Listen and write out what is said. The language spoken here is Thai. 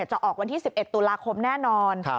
จะออกวันที่๑๑ตุลาคมแน่นอน